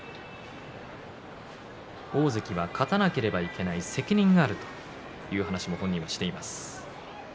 大関は勝たなければいけない責任があると本人は話をしています。